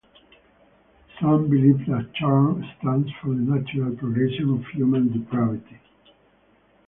Some believe that Charn stands for the natural progression of human depravity.